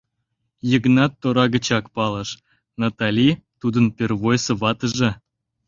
Йыгнат тора гычак палыш: Натали, тудын первойсо ватыже.